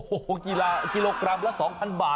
โอ้โหกิโลกรัมละ๒๐๐๐บาทเลยเหรอ